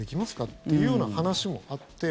っていうような話もあって